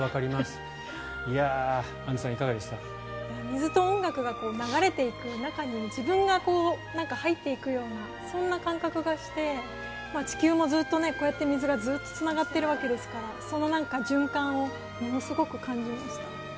水と音楽が流れていく中に自分が入っていくようなそんな感覚がして地球もずっとこうやって水がつながっているわけですからその循環をものすごく感じました。